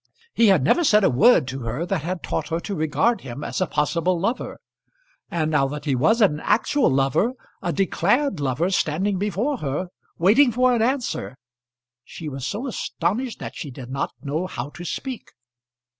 He had never said a word to her that had taught her to regard him as a possible lover; and now that he was an actual lover, a declared lover standing before her, waiting for an answer, she was so astonished that she did not know how to speak.